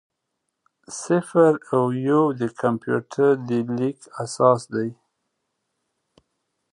صفر او یو د کمپیوټر د لیک اساس دی.